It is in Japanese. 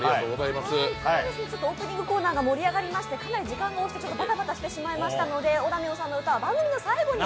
オープニングコーナーが盛り上がりましてだいぶ押してしまって、ばたばたしてしまいましたのでおだみょんさんの歌は番組の最後に。